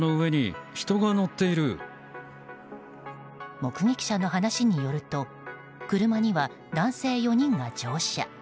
目撃者の話によると車には男性４人が乗車。